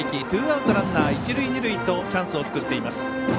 ツーアウトランナー、一塁二塁とチャンスを作っています。